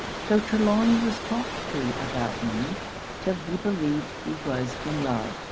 So Trelawny was talked to about me, till he believed he was in love.